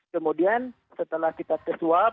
kemudian setelah kita tes swab